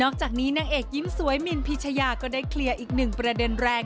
จากนี้นางเอกยิ้มสวยมินพิชยาก็ได้เคลียร์อีกหนึ่งประเด็นแรง